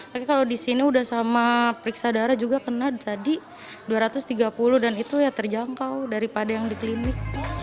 tapi kalau di sini sudah sama periksa darah juga kena tadi dua ratus tiga puluh dan itu ya terjangkau daripada yang di klinik